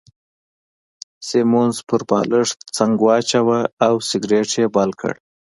سیمونز پر بالښت څنګ واچاوه او سګرېټ يې بل کړ.